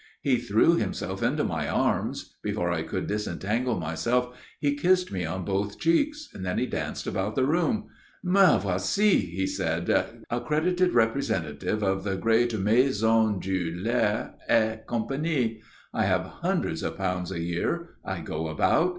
He threw himself into my arms; before I could disentagle myself, he kissed me on both cheeks; then he danced about the room. "Me voici," he said, "accredited representative of the great Maison Dulau et Compagnie. I have hundreds of pounds a year. I go about.